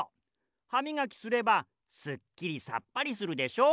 ハミガキすればすっきりさっぱりするでしょう？